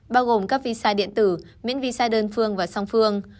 bao gồm các visa điện tử miễn visa đơn phương và song phương